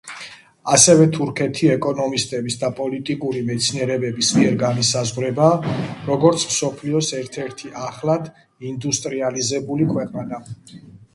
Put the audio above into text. ასევე, თურქეთი ეკონომისტების და პოლიტიკური მეცნიერების მიერ განისაზღვრება, როგორც მსოფლიოს ერთ-ერთი ახლად ინდუსტრიალიზებული ქვეყანა.